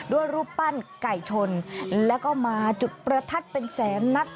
รูปปั้นไก่ชนแล้วก็มาจุดประทัดเป็นแสนนัด